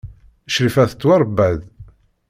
Crifa tettwaṛebba-d.